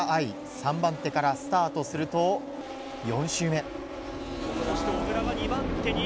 ３番手からスタートすると４周目。